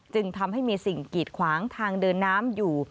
จึงทำให้มีสิ่งกีดขวางทางเดินน้ำอยู่